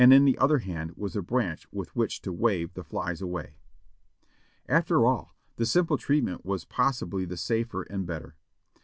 In the other hand was a branch with which to wave the flies away. After all, the simple treatment was possibly the safer and better.